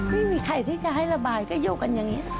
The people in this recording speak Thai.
ไม่มีใครที่จะให้ระบายก็อยู่กันอย่างนี้